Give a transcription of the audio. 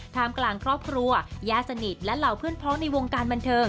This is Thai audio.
กลางครอบครัวญาติสนิทและเหล่าเพื่อนพ้องในวงการบันเทิง